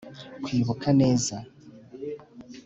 Kwibuka neza